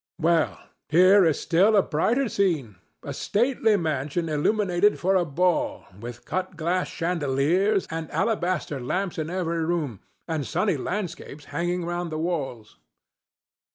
Well, here is still a brighter scene—a stately mansion illuminated for a ball, with cut glass chandeliers and alabaster lamps in every room, and sunny landscapes hanging round the walls.